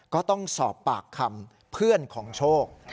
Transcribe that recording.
ก็ต้องสอบปากคำเพื่อนของโชค